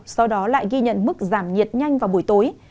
sau đó lại ghi nhận mức giảm nhiệt nhanh vào buổi tối